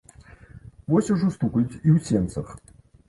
Вось ужо стукаюць і ў сенцах.